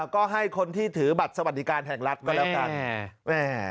ก็ให้คนที่ถือบัตรสวัสดิการแห่งรัฐก็แล้วกัน